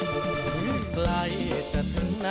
ขอบคุณทุกคน